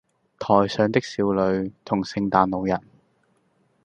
台上的少女同聖誕老人